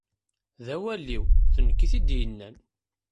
D awal-iw, d nekk i t-id-yennan.